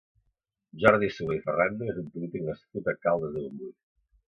Jordi Solé i Ferrando és un polític nascut a Caldes de Montbui.